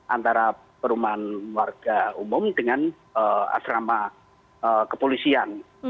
antara perumahan warga umum dengan asrama kepolisian